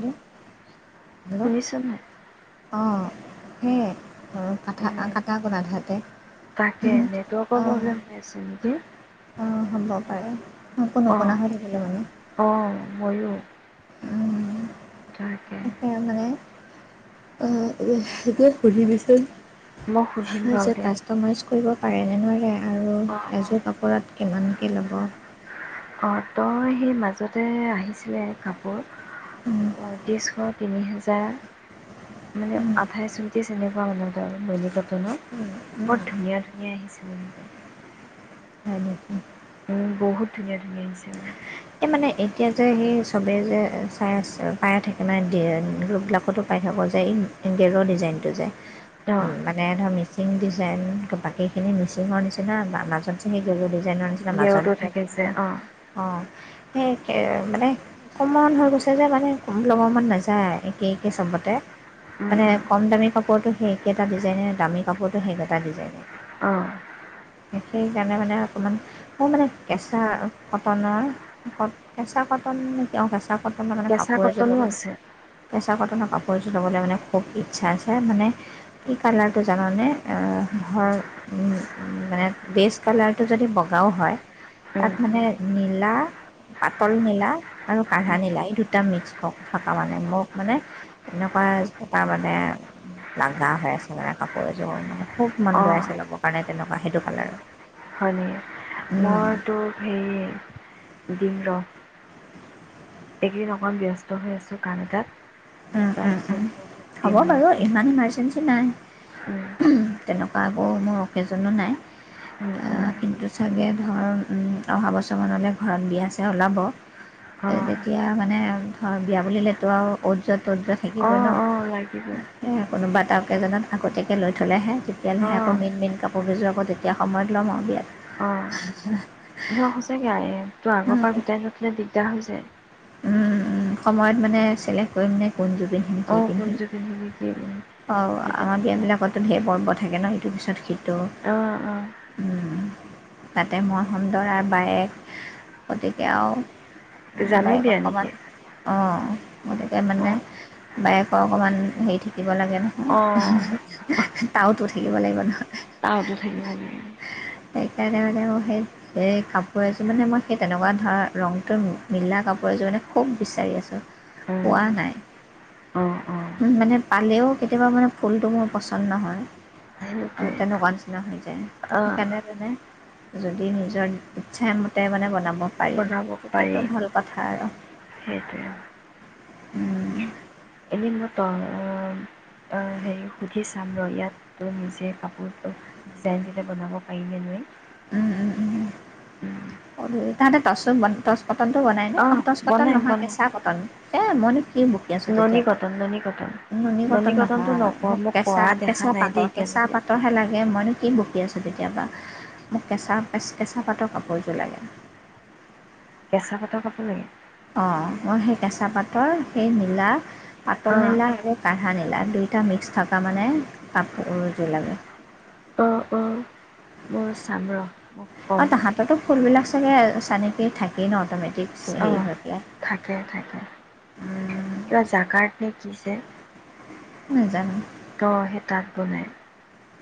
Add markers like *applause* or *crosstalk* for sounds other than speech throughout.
উম, hello শুনিছ নাই? অঁ' হেঁ। ঘৰৰ কাথা উম, কাটা গ'ল আধাতে। তাকে নেটৱৰ্কৰ অঁ প্ৰব্লেম হৈ আছে নেকি? অঁ' হ'ব পাৰে একো অ', নোশুনা হৈ থাকিলোঁ মানে। অ' মইয়ো। তাকে। তাকে মানে অ সেইটোৱে সুধিবিচোন। মই সুধিম বাৰু এইযে দে। কাষ্টমাইজ কৰিব পাৰে নে নোৱাৰে? আৰু অ', এযোৰ কাপোৰত কিমানকে ল'ব? অঁ' তই সেই মাজতে আহিছিলে কাপোৰ। পঁয়ত্ৰিছশ, তিনি হেজা। মানে আঠাইছ, ঊনটিচ এনেকুৱা মানে ডাম নুনীকতনৰ। বৰ ধুনীয়া ধুনীয়া আহিছিলে কিন্তু। হয় নেকি? উম, বহুত ধুনীয়া ধুনীয়া আহিছে মানে। এই মানে এতিয়া যে সেই চবেই যে চাই আছে পাই থাকে মানে দিয়ে গ্ৰোপবিলাকতো পাই থাকোঁ যে এই- গেৰৰ ডিজাইনটো যে অ', উম' মা- নে ধৰ মিচিং ডিজাইন বাকীখিনি মিচিঙৰ নিচিনা মাজত যে সি গেৰৰ ডিজাইনৰ নিচ- গেৰোতো থাকে যে অঁ'। অঁ' সেইকে মানে- কমন হৈ গৈছে যে মানে ল'ব মন নাযায় একে একে চবতে। উম, মানে উম, কম দামী কাপোৰটো সেই একেইটা ডিজাইনে ডামী কাপোৰটো একেটা ডিজাইনে। অঁহ' সেইকাৰণে মানে অকমান মোৰ মানে কেঁচা কটনৰ- কত কেঁচা কটন নেকি? অঁ কেঁচা কটনৰ মানে কেঁচা কাপোৰ এযোৰ কটনো ল'ব। আছে। কেঁচা কটনৰ কাপোৰ এযোৰ ল'বলে মানে খুব ইচ্ছা আছে মানে- কি কালাৰটো জানানে? আঁহ ধৰ- মানে বেষ্ট কালাৰটো যদি বগাও হয়- তাক উম, মানে নীলা- পাতল নীলা আৰু কাহা উম, নীলা এই দুটা মিক্স থকা মানে মোক মানে- এনেকুৱা এটা মানে- লাগা হৈ আছে মানে কাপোৰ এযোৰ মানে খুব মন গৈ অ', আছে লবৰ কাৰণে তেনেকুৱা সেইটো কালাৰ। হয় নেকি, মই তোক সেই দিম ৰহ। এইকেইদিন অকণ ব্যস্ত হৈ আছোঁ কাম এটাত। তাৰপিছত মই তোক হ'ব দিম ৰ। বাৰু ইমান ইমাৰজেঞ্চি নাই। উমঁ। তেনেকুৱা আকৌ মোৰ অকেজনো নাই। উমঁ' উমঁ'। কিন্তু চাগে ধৰ অহা বছৰমানলৈ ঘৰত বিয়া চিয়া ওলাব। অঁ তেতিয়া মানে ধৰ বিয়া বুলিলেতো আৰু অ'ত যোৱা ত'ত যোৱা থাকিবই অঁ ন'। অঁ লাগিব। কোনোবা এটা ওকেজনত আগতীয়াকৈ লৈ থ'লেহে তেতিয়াহে অঁ আকৌ মেইন মেইন কাপোৰৰ কেইযোৰ আকৌ- এতিয়া সময়ত ল'ম আৰু বিয়াত। অঁ' ন' সঁচাকৈয়ে তোৰ আগৰ পৰা গোটাই নঠলে দিগদাৰ হৈ যায়। সময়ত মানে চিলেক্ট কৰিম মানে কোন যোৰ পিন্ধিম। কি অঁ' কোন পিন্ধিম যোৰ পিন্ধিবি কি‌ উমঁ'। অঁ' আমাৰ বিয়াবিলাকতো ধেৰ পৰ্ব থাকে ন' সেইটোৰ পিছত সিটো। অঁ' অঁ'। তাতে মই হ'ম দৰাৰ বায়েক গতিকে আৰু- উমঁ' জানো বাইকক বিয়া নেকি অকমান- অঁ' গতিকে মানে অঁ বায়েকৰো অকণমান হেৰি থাকিব লাগে অঁ ন'। তাওতো থাকিব লাগিব নহয়। তাওতো থাকিব লাগিব। সেইকাৰণে মানে মই সেই- সেই কাপোৰ এযোৰ মানে মই সেই তেনেকুৱা ধৰ ৰংটো মিলা কাপোৰ এযোৰ মানে খুব বিচাৰি আছোঁ। অঁ পোৱা নাই, অঁ অঁ মানে- পালেও কেতিয়াবা মানে ফুলটো মোৰ পচন্দ নহয় সেইটোৱে তেনেকুৱা- হৈ যায়। অঁ সেইকাৰণে মানে যদি নিজৰ ইচ্ছামতে মানে বনাব- পাৰি বনাব পাৰি তেতিয়াতো ভাল কথা আৰু। সেইটোৱে। এনেই *unintelligible* অঁ' হেৰি সুধি চাম ৰ ইয়াত তোৰ নিজে কাপোৰটো- ডিজাইন দিলে বনাব পাৰিনে নোৱাৰি। উমঁ' উমঁ' উমঁ' উমঁ'। তাহাঁতে টচ ব টচ কটনটো বনাই নে, অঁ' টচ কটন বনাই নহয় বনাই কেঁচা কটন। এ মই- কি বকি আছোঁ ননী তেতিয়াপা, কটন ননী কটন নুনী ননী কটন কটনটো নহয় নক মোক পৰা দেখা কেঁচা-কেঁচা নাই দেই পাতৰ- কেঁচা এতিয়ালৈকে পাতৰহে লাগে, মই কি বকি আছোঁ তেতিয়া পৰা, মোক কেঁচা কেচ কেঁচা পাতৰ কাপোৰযোৰ লাগে। কেঁচা পাতৰ কাপোৰ লাগে। অঁ' মই সেই কেঁচা পাতৰ সেই নীলা পাতল অঁ নীলা আৰু - কাঢ়া নীলা দুইটা মিক্স থকা মানে কাপোৰ এযোৰ লাগে। অঁ' অঁ' ম‌ই চাম ৰ। অ ক'ম তাহাঁতেৰতো ফুলবিলাক চাগে চানেকিত থাকেই ন অট'মেটিক অঁ হেৰি হৈ পেলাই থাকে থাকে কিবা জাগা নে কি যে নাজানো ত সেই তাঁত বনাই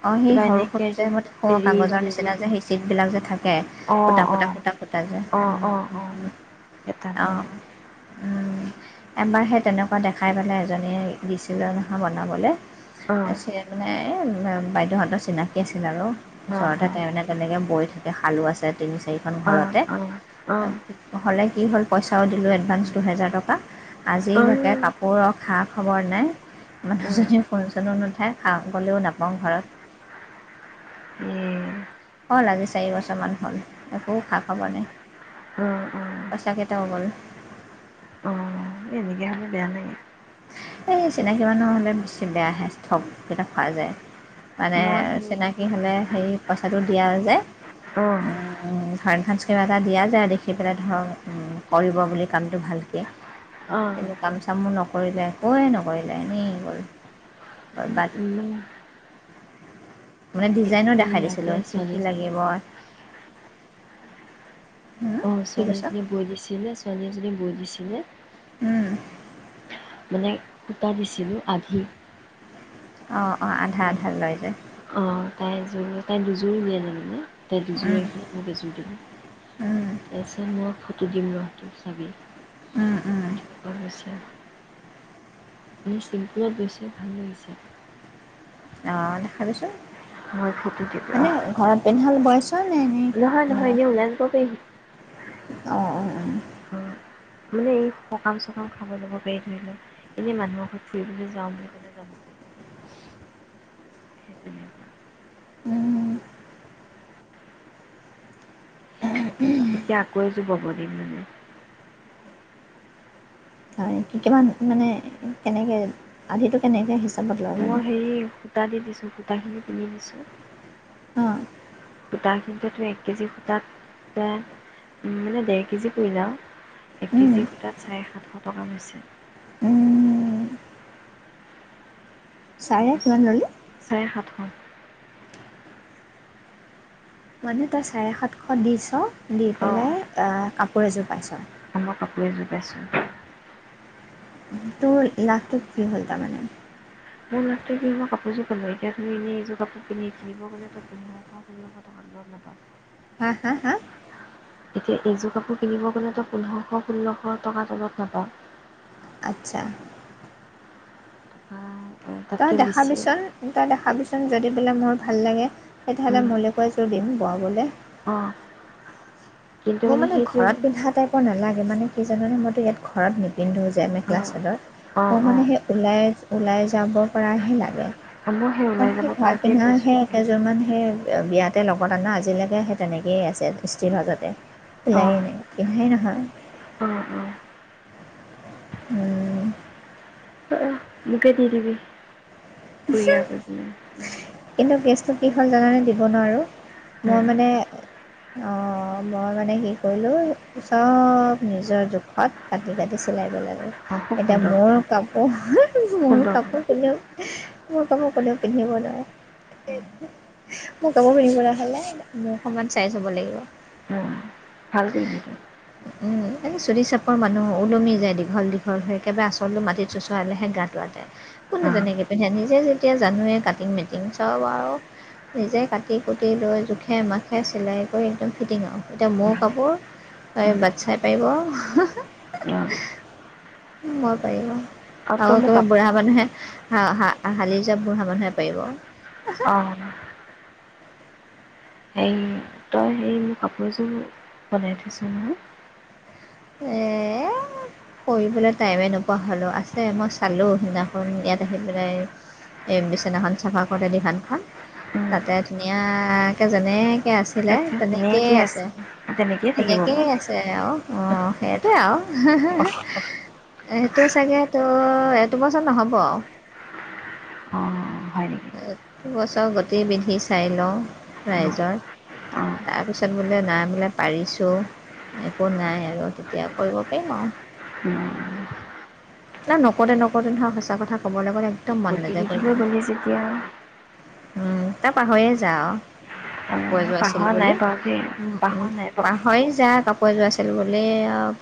অ সি সৰু সৰু যে মই দেখো ৰিল কাগজৰ নিচিনা ৰিল যে সেই চিট বিলাক যে থাকে অ', ফুটা‌ অ', ফুটা ফুটা যে উম উম উম এ তাত বনাই উম এবাৰ সেই তেনেকুৱা দেখাই পেলাই এজনীয়ে দিছিলে নহয় বনাবলে এই অ', মানে এ বাইদেউহঁতৰ চিনাকি আছিল আৰু অ', ওচৰতে অ', তে তেনেকে বৈ থাকে হালো আছে তিনি চাৰিখন অ', ঘৰতে অ', অ', অ', উম, হ'লে কি হ'ল পইচাও দিলোঁ এডভাস দুহেজাৰ টকা এই আজিলৈকে কাপ কাপোৰৰ খা খবৰ নাই অ', মানুহজনী ফোন চনো নুঠায় খা গ'লেও নাপাওঁ ঘৰত ইয়ে হ'ল আজি চাৰি বছৰমান হ'ল একো খা খবৰ নাই। উম, উম। পইচা কেইটাও গ'ল। এই এনেকে হ'লে বেয়া লাগে। এই চিনাকি মানুহ হ'লে বেছি বেয়াহে ঠগ বিলাক খোৱা যায় মানে মই চিনাকি সেই চিনাকি হ'লে হেৰি পইচাটো দিয়া যায়। অ', উম ধৰ এডভাঞ্চ কিবা এটা দিয়া যায় দেখি পেলাই ধৰ উম কৰিব বুলি কামটো ভালকে এতিয়া অ', কিন্তু কাম চামো নকৰিলে একোৱে নকৰিলে এনেই গ'ল বৰবাট উম মানে ডিজাইনো এই দেখাই ইয়াতে দিছিলোঁ কি ছোৱালী কি এজনী লাগিব। অ' কি ছোৱালী কৈছ এজনীয়ে বৈ দিছিলে, ছোৱালী এজনীয়ে বৈ দিছিলে। উম। মানে সূতা দিছিলোঁ আধি অ' অ' আধা আধা লয় যে অ' তাই এযোৰ তাই দুযোৰ উলিয়াই ললে মানে তাই দুযোৰ ৰাখিলে। মোক এযোৰ দিলে। তাৰপিছত মই ফটো দিম ৰহ তোক চাবি অ গৈছে এনেই চিম্পুলত বৈছে ভাল লাগিছে অ' দেখাবিছোন। হয় ফটো দিবি মানে অহ ঘৰত পেন্ধাবলে বৈছ নে এনেই নহয় নহয় মানে অ' এনেই ওলাই যাব পাৰি অ' উম। উম। মানে এই সকাম চকাম খাব যাব পাৰি ধৰি লওঁক এনেই মানুহৰ ঘৰত ফুৰিবলৈ যাওঁ বুলি ক'লে যাব পাৰি। সেই তেনেকুৱা উম। এতিয়া আকৌ এযোৰ বৱ দিম মানে হয় কি কিমান মানে কেনেকে আধিটো কেনেকে হিচাপ মই হেৰি সূতা দি দিছোঁ সূতাখিনি কিনি দিছোঁ। অ' সূতা খিনিতো এক কেজি সূতাত মানে ডেৰ কেজি পৰিল আহ এক কেজি সূটাত চাৰে সাতশ টকা লৈছে। উম। চাৰে কিমান তাৰপিছত ল'লি চাৰে সাতশ। মানে তই চাৰে সাতশ দিছ, দি পেলাই আহ, কাপোৰ এযোৰ পাইছ। অহ, মই কাপোৰে এযোৰ পাইছোঁ। তোৰ লাভটো কি হ'ল তাৰমানে? মোৰ লাভটো কি মই কাপোৰযোৰ পালোঁ। এতিয়া এনে এইযোৰ কাপোৰ পিন্ধি কিনিব গ'লে তোৰ পোন্ধশ ষোল্লশ টকা তলত নাপাওঁ। হা হা হা? এতিয়া এইযোৰ কাপোৰ কিনিব গ'লেতো পোন্ধৰশ, ষোল্লশ টকা তলত নাপাওঁ। আচ্ছা। হয়, উম। তই দেখাবিচোন, তই দেখাবিচোন যদি বোলে মোৰ ভাল লাগে। তেতিয়াহ'লে মোলৈকে এযোৰ দিম বোৱাবলৈ। অ', কিন্তু মানে সেইটোৱে অ', নালাগে মানে কি জাননে মইতো ইয়াত ঘৰত নি পিন্ধোঁ যে আমি অঁ ক্লাছ *unintelligible* অঁ মই মানে অঁ সেই ওলাই-ওলাই যাব পৰাহে লাগে। মই সেই ওলাই তাতহে যাব ঘৰ পাৰাকেই পিন্ধা কৈছোঁ সে মানে কেইযোৰমান সেই বিয়াতে লগত আনা, আজিলৈকে সেই তেনেকৈয়ে আছে ইস্ত্ৰি ভাজতে। *unintelligible* নাই পিন্ধাই নহয়। অ', অ'। উম। মোকেই দি দিবি, কোৰিয়াৰ কৰি পেলাই। কিন্তু কেছটো কি হ'ল জাননে দিব নোৱাৰোঁ, মই মানে অ', মই মানে কি কৰিলো, চব নিজৰ জোখত কাটি-কাটি চিলাই পেলালো। অঁ খুব এতিয়া সুন্দৰকৈ মোৰ কাপোৰ, মোৰ সুন্দৰকৈ কাপোৰ কোনেওঁ মোৰ কাপোৰ কোনেও পিন্ধিব নোৱাৰে। মোৰ কাপোৰ পিন্ধিবলৈ হ'লে, মোৰ সমান চাইজ হব লাগিব। উম। ভাল কৰিলি তই। উম, এ চুটি চাপৰ মানুহ ওলমি যায়। দীঘল- দীঘল হৈ একেবাৰেই আচলটো মাটিত চোচৰালেহে গাটো আতে। অ'। *unintelligible* নিজে যেতিয়া জানোৱেই নিজে কাটিং মেটিং চব আৰু নিজে কাটি-কুটি লৈ জোখে- মাখে চিলাই কৰি একদম ফিটিং আৰু। এতিয়া মোৰ ভালে কাপোৰ বাটচাই পাৰিব, অঁ মই পাৰিব আৰু। অ তই আকৌ মোক কিবা কাপ বুঢ়া মানুহে, হালি যোৱা বুঢ়া মানুহে পাৰিব। অ'। হেৰি, তই হেৰি মোৰ কাপোৰযোৰ বনাই থৈছ নহয়? এ কৰিবলৈ টাইমেই নোপোৱা হ'লোঁ। আছে মই চালোঁ সেইদিনাখন ইয়াত আহি পেলাই এই বিচনাখন চাফা কৰে দিভানখন, উম তাতে, ধুনীয়াকে যেনেকে আছে *unintelligible* তেনেকেই আছে, তেনেকেই থাকিব তেনেকে বাৰু আছে। সেই আৰু অ', সেইটোৱে অ আৰু। সেইটো চাগৈ তোৰ, এইটো বছৰ নহ'ব। অ', হয় নেকি? বছৰ গতি বিধি চাই লওঁ অ ৰাইজৰ। অ তাৰ পিছত বোলে, নাই বোলে পাৰিছোঁ। একো নাই আৰু তেতিয়া কৰিব পাৰিম আৰু। উম। ন, নকওঁতে -নকওঁতে নহ সঁচা কথা ক'বলৈ গ'লে একদম মন কুৰ্তি নাযায় পিন্ধিবলৈ কৰিবলৈ। গ'লে যেতিয়া উম, এই পাহৰিয়ে যাঅ। কাপোৰ মই এযোৰ আছিল পাহৰা বুলি নাই বাৰু দেই উম, পাহৰা উম, নাই বাৰু পাহৰি যায়। কাপোৰ এযোৰ আছিল বুলি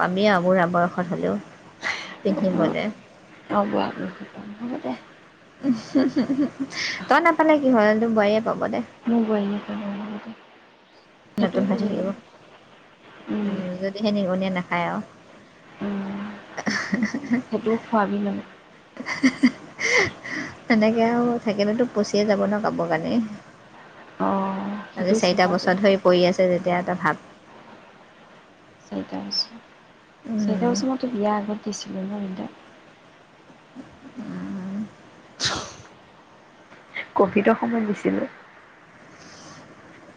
পাবি আৰু বুঢ়া বয়সত হ'লেও। কি কলে? অঁ, বুঢ়া বয়সত পাম, হ'ব দে। তই নাপালে কি হ'ল! তোৰ বোৱাৰী এ পাব দে। মোৰ বোৱাৰীয়ে পাব নতুন দে, হৈ সেইটোৱে কৰিব ন। তেতিয়া নিগনিয়ে নাখায় আৰু। উম সেইটোও খোৱাবি মানে? তেনেকৈ আৰু থাকিলেটো পচিয়ে যাব ন কাপোৰ কানি। অ আজি সেইটোও চাৰিটা চিন্তা কৰি বছৰ ধৰি পৰি আছে যেতিয়া তই ভাব। চাৰিটা বছৰ, চাৰিটা উম, বছৰ মইতো বিয়া আগত দিছিলোঁ, মই তোক। উম। ক'ভিডৰ সময়ত দিছিলোঁ।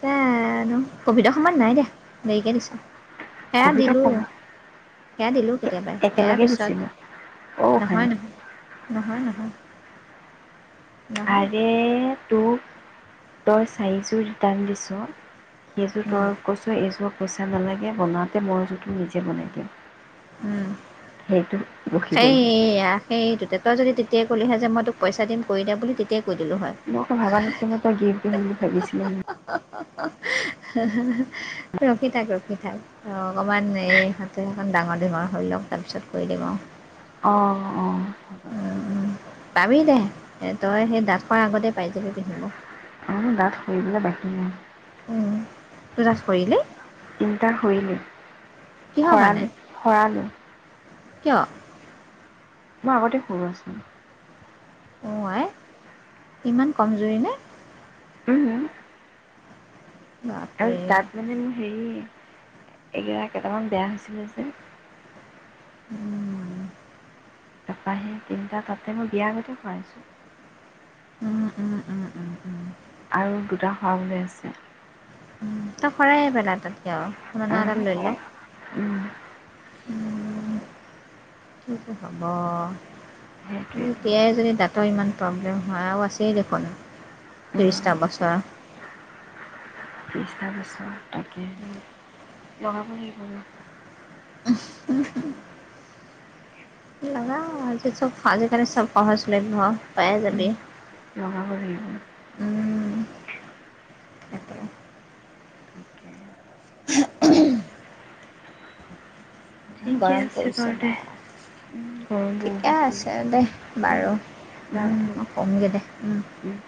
জানো! কভিডৰ সময়ত নাই দিয়া, দেৰিকে দিছো এয়া কভিডৰ দিলোঁ। সময়ত সেয়া দিলো কেতিয়াবাই, এয়াৰ একেলগে দিছিলোঁ। অ' পিছত। উশানী নহয় -নহয়। নহয়, নহয়। নহয় আৰে তোক তই চাইজো ৰিটাৰ্ণ দিছ'। সেইযোৰ উম, তই কৈছ', এইযোৰ পইচা নালাগে বনাওঁতে মই যিটো নিজে বনাই দিওঁ। উম। সেইটো *unintelligible* সেইয়া, সেই ততে তই যদি তেতিয়াই ক'লি হয় যে মই তোক পইচা দিম কৰি দে বুলি, তেতিয়াই কৰি দিলো হয়। মইতো ভাবা নাছিলো ন' তই গিফট দিম বুলি ভাবিছিলি। ৰখি থাক, ৰখি থাক। অঁ, অকণমান এই হাতে এখন ডাঙৰ দীঘল হৈ লওঁক তাৰপিছত কৰি দিম আৰু। অঁ, অঁ। পাবি দে, তই সেই দাত খোৱাৰ আগতে পাই যাবি পিন্ধিব। মোৰ দাঁত সৰিবলৈ বাকী নাই। উম, তোৰ দাঁত সৰিলেই! তিনটা সৰিলে, কিহৰ কাৰণে সৰালো, সৰালো। কিয়? মই আগতে সৰোৱাইছো। অঁ, আই ইমান কমজুৰিনে? উম। আৰু বাপৰে দাঁত মানে মোৰ হেৰি এইকেইটাৰ কেইটামান বেয়া হৈছিলে যে। উম। তাপা সেই তিনিটা তাতে মই বিয়া আগতে সৰাইছো। উম, উম, উম, উম। আৰু দুটা সৰাবলৈ আছে। উম, তই সৰাই আহিবা দাঁত তাত। অ' সাৰ উম। কি যে হ'ব, সেইটোৱেইটো এতিয়াই যদি দাঁত তাৰ ইমান প্ৰব্লেম হয়, আৰু আছেই দেখোন উম, ত্ৰিছটা বছৰ? ত্ৰিছটা বছৰ তাকেহে, বঢ়াব লগাব লাগিব দেই। উম *unintelligible* লগাওঁ, আজি চব আজিকালি চব সহজলভ্য পাইয়ে যাবি। উম, লগাব লাগিব। উম তাকে অকে *unintelligible* উ *unintelligible* ইমান ঠিকে গৰম আছে পৰিছে বাৰু দে। বা উম, গৰম ঠিকে বহুত আছে দে পৰিছে, উম বাৰু বাৰু উম দে। শুমগে দে উম।